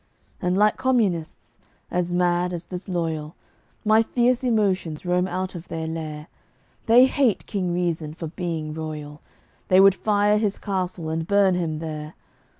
And like Communists, as mad, as disloyal, My fierce emotions roam out of their lair; They hate King Reason for being royal; They would fire his castle, and burn him there.